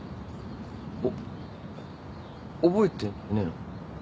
おっ覚えてねえの？